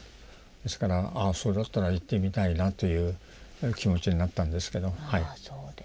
ですからああそれだったら行ってみたいなという気持ちになったんですけどはい。